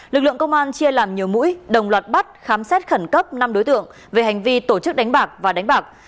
lực lượng công an chia làm nhiều mũi đồng loạt bắt khám xét khẩn cấp năm đối tượng về hành vi tổ chức đánh bạc và đánh bạc